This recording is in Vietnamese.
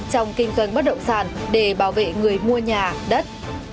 trong kinh doanh bất động sản để bảo vệ người mua nhà đất